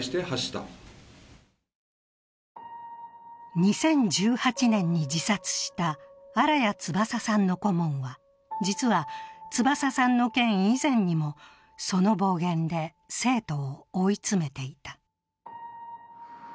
２０１８年に自殺した新谷翼さんの顧問は、実は、翼さんの件以前にもその暴言で生徒を追い詰めていた。